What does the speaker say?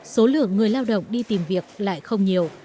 số lượng người lao động đi tìm việc lại không nhiều